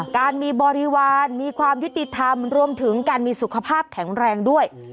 การมีบริวารมีความยุติธรรมรวมถึงการมีสุขภาพแข็งแรงด้วย